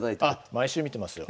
毎週見てますよ。